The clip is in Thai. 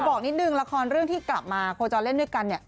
บอกนิดนึงละครเรื่องที่กลับมาโคจรเล่นด้วยกันเนี่ย